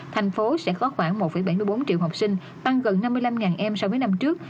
thành phố sẽ có khoảng một bảy mươi bốn triệu học sinh tăng gần năm mươi năm em so với năm trước